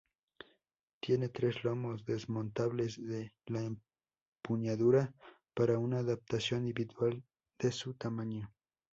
Tiene tres lomos desmontables de la empuñadura para una adaptación individual de su tamaño.